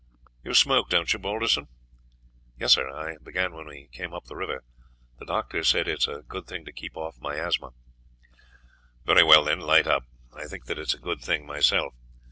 "You smoke, don't you, Balderson?" "Yes, sir, I began when we came up the river; the doctor said it is a good thing to keep off miasma." "Very well, then light up; I think that it is a good thing myself.